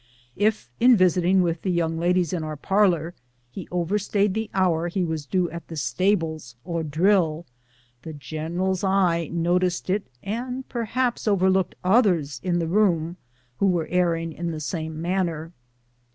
If, in visiting with the young ladies in our parlor, he overstayed the hour he was due at the stables or drill, the general's eye noticed it, and perhaps overlooked others in the room who were erring in the same manner.